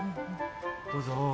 どうぞ。